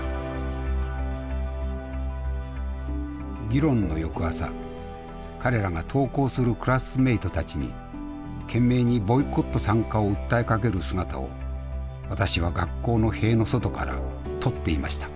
議論の翌朝彼らが登校するクラスメイトたちに懸命にボイコット参加を訴えかける姿を私は学校の塀の外から撮っていました。